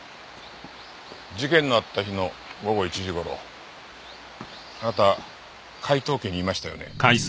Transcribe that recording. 事件のあった日の午後１時頃あなた海東家にいましたよね。